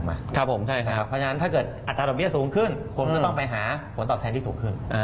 เพราะฉนั้นถ้าอัตราดอกเบี้ยสูงขึ้นควรต้องไปหาเป้าผลต่อแทนที่สูงขึ้น